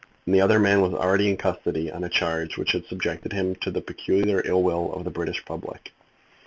And the other man was already in custody on a charge which had subjected him to the peculiar ill will of the British public.